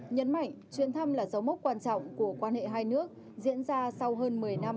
nhấn mạnh chuyến thăm là dấu mốc quan trọng của quan hệ hai nước diễn ra sau hơn một mươi năm